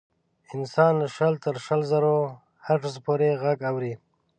انسان له شل تر شل زرو هرتز پورې غږ اوري.